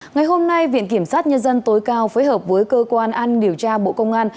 ngày hôm nay viện kiểm sát nhân dân tối cao phối hợp với cơ quan an điều tra bộ công an